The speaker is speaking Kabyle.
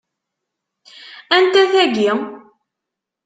Anta tagi?